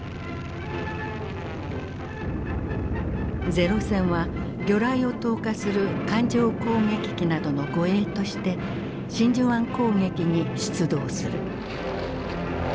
零戦は魚雷を投下する艦上攻撃機などの護衛として真珠湾攻撃に出動する。